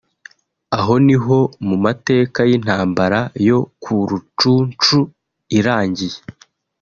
Aho niho mu mateka y’intambara yo ku Rucunshu irangiye